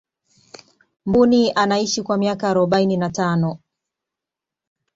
mbuni anaishi kwa miaka arobaini na tano